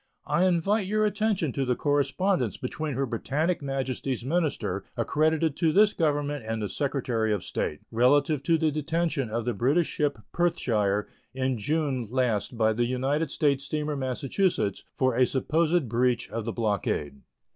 I invite your attention to the correspondence between Her Britannic Majesty's minister accredited to this Government and the Secretary of State relative to the detention of the British ship Perthshire in June last by the United States steamer Massachusetts for a supposed breach of the blockade.